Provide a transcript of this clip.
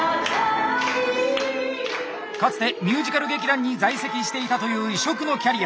かつてミュージカル劇団に在籍していたという異色のキャリア！